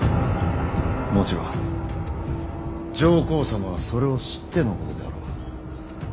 もちろん上皇様はそれを知ってのことであろう。